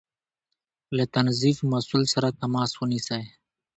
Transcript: له تنظيف مسؤل سره تماس ونيسئ